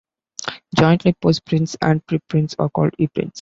Jointly, postprints and preprints are called eprints.